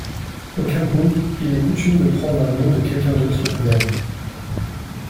Au Cameroun, il est coutume de prendre un nom de quelqu'un d'autre qu'on aime.